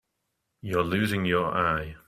You're losing your eye.